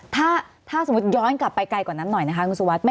ถ้าสมมติย้อนกลับไปไกลกว่านั้นหน่อยนะคะ